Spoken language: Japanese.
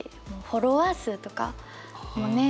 フォロワー数とかもね